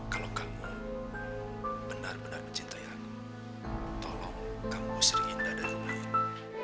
kalau kamu benar benar mencintai aku tolong kamu sering indah dari rumah ini